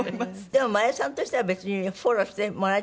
でも真野さんとしては別にフォローしてもらいたくもない？